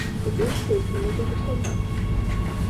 The group creates images of protest.